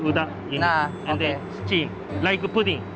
kemudian kita akan mencairkan seperti puding